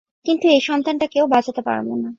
কিন্তু এই সন্তানটাকেও বাঁচাতে পারব না।